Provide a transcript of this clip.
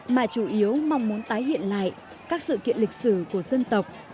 mà chủ yếu mong muốn tái hiện lại các sự kiện lịch sử của dân tộc